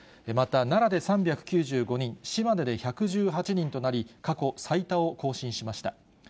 また奈良で３９５人、島根で１１８人となり、過去最多を更新しました。